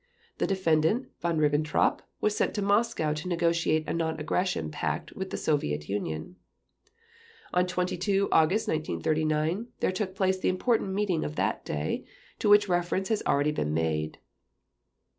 The Defendant Von Ribbentrop was sent to Moscow to negotiate a non aggression pact with the Soviet Union. On 22 August 1939 there took place the important meeting of that day, to which reference has already been made.